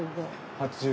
８０。